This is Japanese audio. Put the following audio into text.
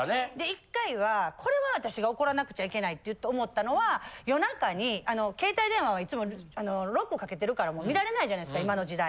一回はこれは私が怒らなくちゃいけないって思ったのは夜中に携帯電話はいつもロックかけてるからもう見られないじゃないですか今の時代。